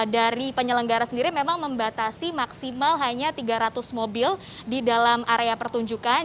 dari penyelenggara sendiri memang membatasi maksimal hanya tiga ratus mobil di dalam area pertunjukan